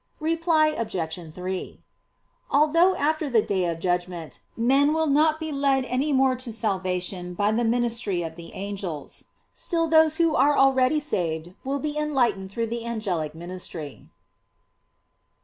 Reply Obj. 3: Although after the Day of Judgment men will not be led any more to salvation by the ministry of the angels, still those who are already saved will be enlightened through the angelic ministry.